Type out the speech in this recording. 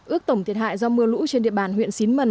ước tổng thiệt hại do mưa lũ trên địa bàn huyện xín mần